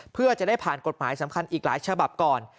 เพื่อจะได้ผ่านกฎหมายสำคัญอีกหลายฉบับก่อน